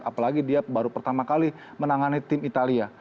apalagi dia baru pertama kali menangani tim italia